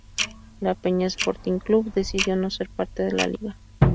La Peña Sporting Club decidió no ser parte de la liga.